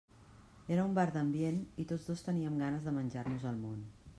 Era un bar d'ambient i tots dos teníem ganes de menjar-nos el món.